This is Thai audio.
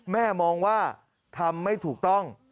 แม่มองว่าทำไม่ถูกต้อง